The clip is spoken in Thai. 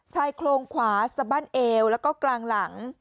ชายโครงขวาสบั้นเอวแล้วก็กลางหลัง